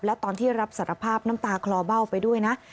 และตอนที่รับสารภาพน้ำตาคลอเบ้าไปด้วยนะ